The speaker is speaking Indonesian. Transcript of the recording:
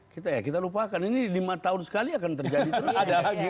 kita ya kita lupakan ini lima tahun sekali akan terjadi terus ada